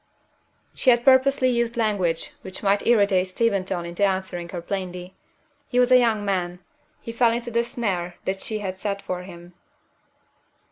She had purposely used language which might irritate Steventon into answering her plainly. He was a young man he fell into the snare that she had set for him.